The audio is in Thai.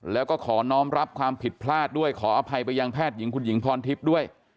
แล้วก็ขอน้องรับความผิดพลาดด้วยขออภัยไปยังแพทย์หญิงคุณหญิงพรทิพย์ด้วย